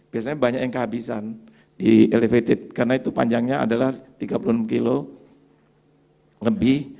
biasanya banyak yang kehabisan di elevated karena itu panjangnya adalah tiga puluh enam kilo lebih